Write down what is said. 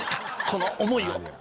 この思いを。